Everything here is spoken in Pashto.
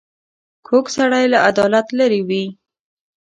کوږ سړی له عدالت لیرې وي